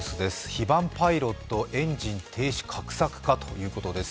非番パイロットエンジン停止画策かということです。